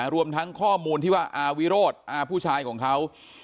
รวมทั้งข้อมูลที่ว่าอาวิโรธอาผู้ชายของเขา